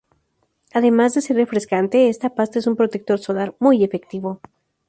Además de ser refrescante, esta pasta es un protector solar muy efectivo.